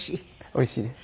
おいしいです。